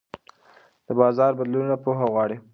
د بازار بدلونونه پوهه غواړي.